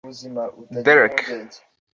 Derek